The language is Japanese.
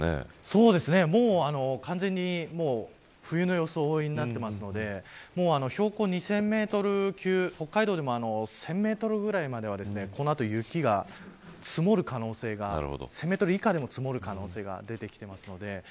そうですね、もう完全に冬の装いになっているので標高２０００メートル級北海道でも１０００メートルぐらいまでは、このあと雪が積もる可能性、１０００メートル以下でも積もる可能性が出ています。